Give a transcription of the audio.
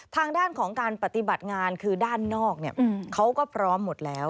ทางด้านของการปฏิบัติงานคือด้านนอกเขาก็พร้อมหมดแล้ว